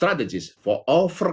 tidak ada yang terlepas